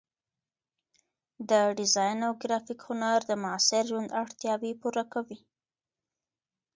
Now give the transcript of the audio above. د ډیزاین او ګرافیک هنر د معاصر ژوند اړتیاوې پوره کوي.